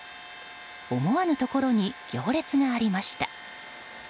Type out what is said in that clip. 思わぬところに行列がありました。